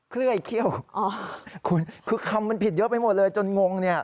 เคลื่อยเขี้ยวคุณคือคำมันผิดเยอะไปหมดเลยจนงงเนี่ย